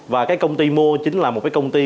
và cái công ty mua chính là một cái công ty